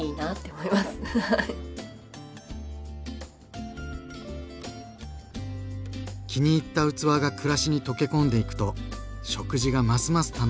気に入った器が暮らしに溶け込んでいくと食事がますます楽しくなりますね。